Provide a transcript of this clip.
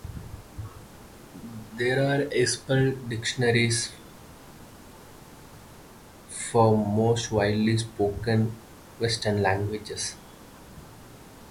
There are ispell dictionaries for most widely spoken Western languages.